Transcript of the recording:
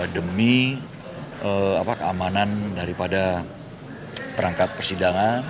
demi keamanan daripada perangkat persidangan